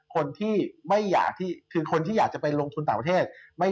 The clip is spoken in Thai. คนที่อยากจะไปลงทุนต่างประเทศ